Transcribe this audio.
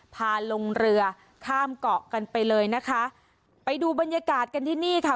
พาลงเรือข้ามเกาะกันไปเลยนะคะไปดูบรรยากาศกันที่นี่ค่ะ